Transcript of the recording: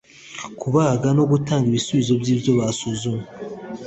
kubaga no gutanga ibisobanuro by ibyo basuzumye